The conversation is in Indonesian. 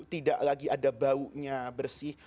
tidak lagi ada baunya bersih